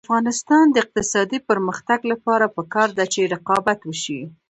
د افغانستان د اقتصادي پرمختګ لپاره پکار ده چې رقابت وشي.